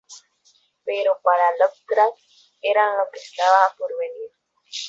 Pero para Lovecraft eran lo que estaba por venir.